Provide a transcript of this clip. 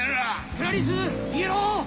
クラリス逃げろ！